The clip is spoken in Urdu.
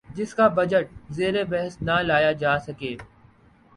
جس کا بجٹ زیربحث نہ لایا جا سکے